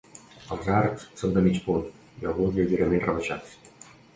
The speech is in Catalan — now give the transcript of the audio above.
Els arcs són de mig punt i alguns lleugerament rebaixats.